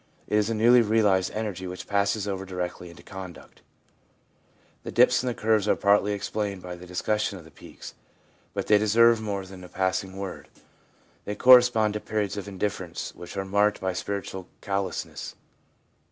It is a newly realised energy which passes over directly into conduct. The dips in the curves are partly explained by the discussion of the peaks, but they deserve more than a passing word. They correspond to periods of indifference, which are marked by spiritual callousness.